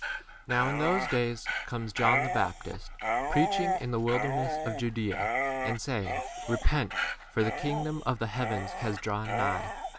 Now in those days comes John the Baptist, preaching in the 2 wilderness of Judea, and saying, Repent, for the kingdom of the 3 heavens has drawn nigh.